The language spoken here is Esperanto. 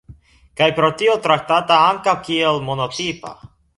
Kaj pro tio traktata ankaŭ kiel monotipa.